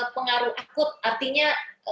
pengaruh akut artinya